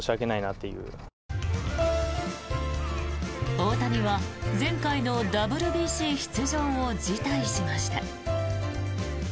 大谷は前回のＷＢＣ出場を辞退しました。